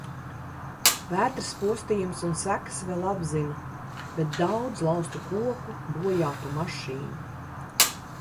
Vētras postījumus un sekas vēl apzina, bet daudz lauztu koku, bojātu mašīnu.